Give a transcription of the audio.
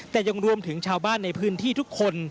แต่ยังรวมถึงชาวบ้านในพื้นที่ทุกคน